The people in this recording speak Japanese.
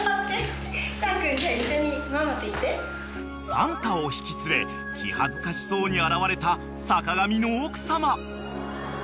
［サンタを引き連れ気恥ずかしそうに現れた坂上の奥様］